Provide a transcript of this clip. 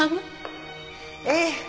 ええ。